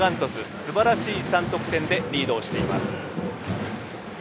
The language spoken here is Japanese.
すばらしい３得点でリードをしています。